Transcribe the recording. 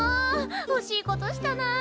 おしいことしたな。